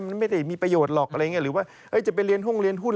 มันไม่ได้มีประโยชน์หรอกหรือว่าจะไปเรียนห้องเรียนหุ้น